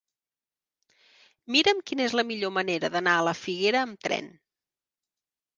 Mira'm quina és la millor manera d'anar a la Figuera amb tren.